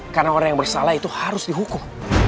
karena orang yang bersalah itu harus dihukum